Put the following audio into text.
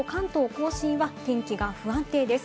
甲信は天気が不安定です。